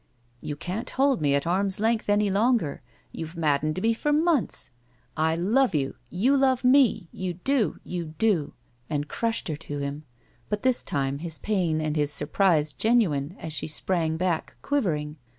"You can't hold me at arm's length any longer. You've maddened me for months. I love you. You love me. You do. You do," and crushed her to him, but this time his pain and his surprise genuine as she sprang back, quivering.